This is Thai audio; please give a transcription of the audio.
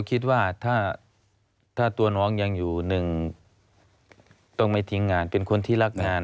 คิดว่าถ้าตัวน้องยังอยู่หนึ่งต้องไม่ทิ้งงานเป็นคนที่รักงาน